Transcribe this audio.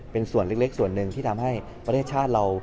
เป็นส่วนเล็กส่วนหนึ่งที่ทำให้ประเทศชาติเรา